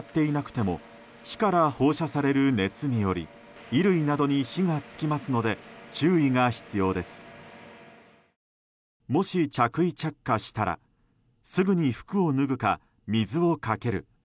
もし着衣着火したらすぐに服を脱ぐか、水をかける。